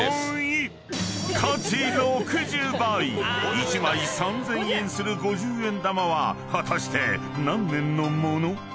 ［１枚３，０００円する五十円玉は果たして何年の物？］